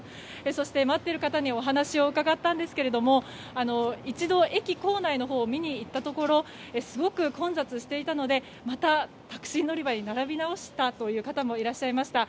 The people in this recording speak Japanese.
そして、待っている方にお話を伺ったんですけれども一度、駅構内を見に行ったところすごく混雑していたのでまた、タクシー乗り場に並び直したという方もいらっしゃいました。